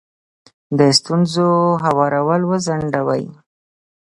د ستونزو هوارول وځنډوئ.